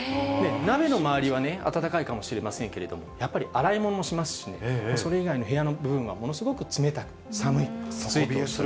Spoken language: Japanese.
鍋の周りはね、暖かいかもしれませんけれども、やっぱり洗い物もしますしね、それ以外の部屋の部分は、ものすごく冷たく、寒い。